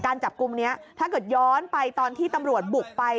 จับกลุ่มนี้ถ้าเกิดย้อนไปตอนที่ตำรวจบุกไป